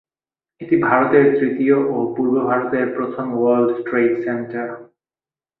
এটি ভারতের তৃতীয় ও পূর্ব ভারত এর প্রথম ওয়ার্ল্ড ট্রেড সেন্টার।